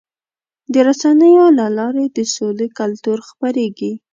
د رسنیو له لارې د سولې کلتور خپرېږي.